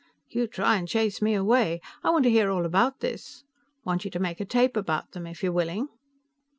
"You try and chase me away. I want to hear all about this. Want you to make a tape about them, if you're willing."